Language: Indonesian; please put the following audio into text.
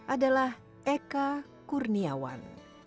adalah eka kurniawan